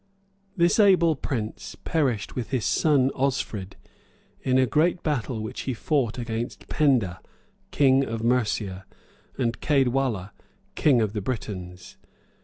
[] This able prince perished with his son Osfrid, in a great battle which he fought against Penda, king of Mercia, and Caedwalla, king of the Britons.